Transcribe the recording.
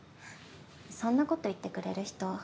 そんなこと言ってくれる人